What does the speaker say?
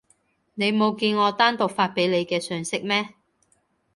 你冇見我單獨發畀你嘅訊息咩？